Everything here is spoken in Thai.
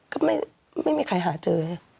ก็ไม่มีใครหาเจอ